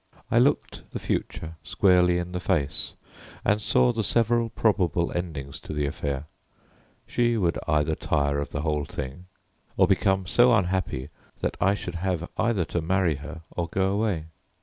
I looked the future squarely in the face and saw the several probable endings to the affair. She would either tire of the whole thing, or become so unhappy that I should have either to marry her or go away.